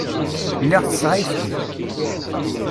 Lliɣ tesseɣ ayefki.